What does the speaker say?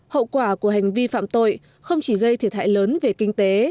hậu quả của hành vi phạm tội không chỉ gây thiệt hại lớn về kinh tế